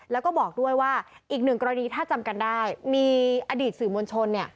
แล้วก็บอกด้วยว่าอีกหนึ่งกรณีถ้าจำกันได้มีอดีตสื่อมวลชนเนี่ย